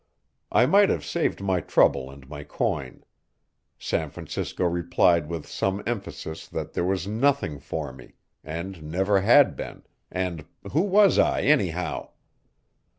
I might have saved my trouble and my coin. San Francisco replied with some emphasis that there was nothing for me, and never had been, and who was I, anyhow?